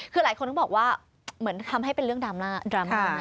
คือหลายคนก็บอกว่าเหมือนทำให้เป็นเรื่องดราม่าดราม่า